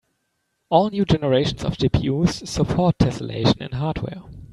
All new generations of GPUs support tesselation in hardware.